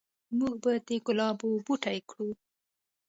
موږ به د ګلابو بوټي کرو